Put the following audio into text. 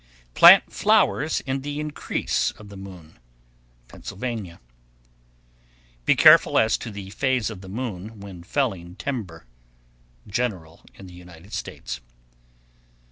Plant flowers in the increase of the moon. Pennsylvania. 1116. Be careful as to the phase of the moon when felling timber. _General in the United States.